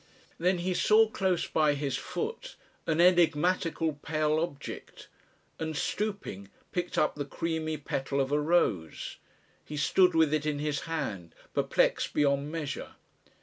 Then he saw close by his foot an enigmatical pale object, and stooping, picked up the creamy petal of a rose. He stood with it in his hand, perplexed beyond measure.